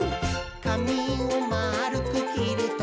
「かみをまるくきるときは、」